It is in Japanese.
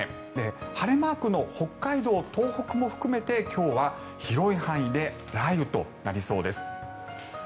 晴れマークの北海道・東北も含めて今日は広い範囲で雷雨となりそうです。